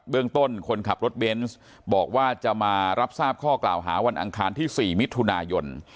เรื่องต้นคนขับรถเบนส์บอกว่าจะมารับทราบข้อกล่าวหาวันอังคารที่๔มิถุนายน